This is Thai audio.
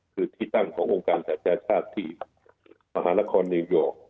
คือที่ตั้งขององค์การสัจจาชาติที่มหานครนิวยอร์ก